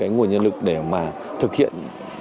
nguồn nhân lực để mà thực hiện